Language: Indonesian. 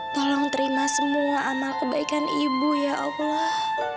tolong terima semua amal kebaikan ibu ya allah